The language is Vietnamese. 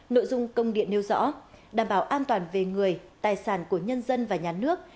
nội dung công điện nêu rõ đảm bảo an toàn về người tài sản của nhân dân và nhà nước